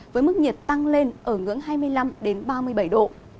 với mức nhiệt tăng lên ở ngưỡng hai mươi năm ba mươi bảy độ